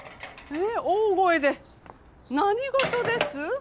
大声で何事です？